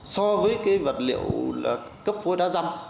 so với cái vật liệu cấp vôi đá răm